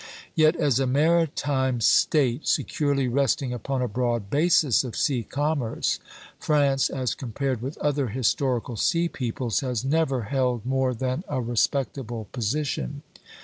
Yet as a maritime State, securely resting upon a broad basis of sea commerce, France, as compared with other historical sea peoples, has never held more than a respectable position.